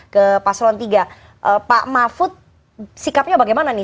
ke paselan tiga pak mahfud sikapnya bagaimana nih